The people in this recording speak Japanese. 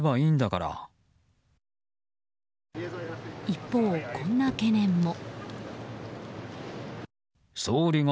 一方、こんな懸念も。